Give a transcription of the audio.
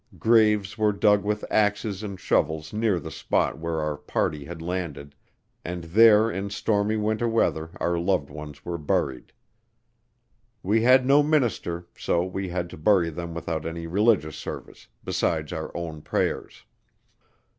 Graves were dug with axes and shovels near the spot where our party had landed, and there in stormy winter weather our loved ones were buried. We had no minister, so we had to bury them without any religious service, besides our own prayers.